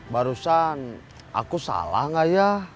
barusan aku salah gak ya